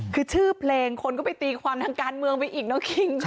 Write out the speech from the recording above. คือชื่อเพลงคนก็ไปตีความทางการเมืองไปอีกน้องคิง